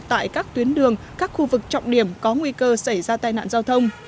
tại các tuyến đường các khu vực trọng điểm có nguy cơ xảy ra tai nạn giao thông